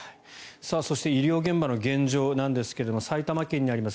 そして医療現場の現状なんですが埼玉県にあります